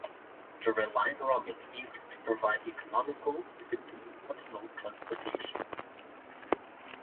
The Reliant Robin aimed to provide economical, predictable personal transportation.